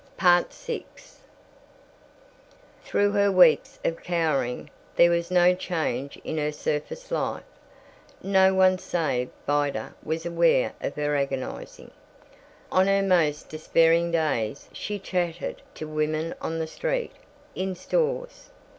VI Through her weeks of cowering there was no change in her surface life. No one save Vida was aware of her agonizing. On her most despairing days she chatted to women on the street, in stores.